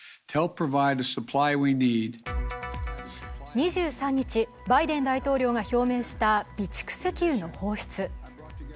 ２３日、バイデン大統領が表明した備蓄石油の放出。